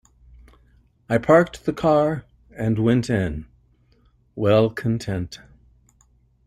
I parked the car, and went in, well content.